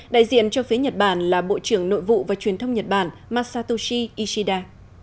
đại diện cho phía nhật bản là bộ trưởng nội vụ và truyền thông nhật bản masatoshi ishida